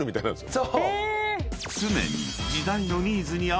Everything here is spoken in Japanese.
［常に］